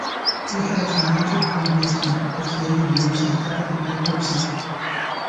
He had financial problems in his later years and died in bankruptcy.